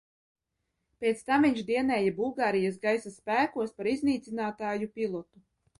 Pēc tam viņš dienēja Bulgārijas gaisa spēkos par iznīcinātāju pilotu.